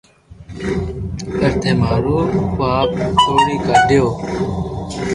پر ٿي مارو خواب توڙي ڪاڌيو